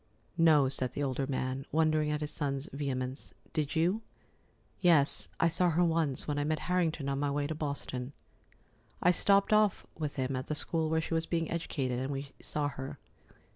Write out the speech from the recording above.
"No," said the older man, wondering at his son's vehemence. "Did you?" "Yes, I saw her once, when I met Harrington on my way to Boston. I stopped off with him at the school where she was being educated, and we saw her.